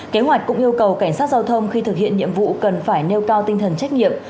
kế hoạch cũng yêu cầu cảnh sát giao thông khi thực hiện nhiệm vụ cần phải nêu cao tinh thần trách nhiệm